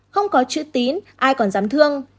không có chữ tín ai còn dám thương